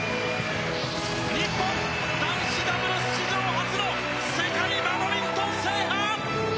日本男子ダブルス史上初の世界バドミントン制覇！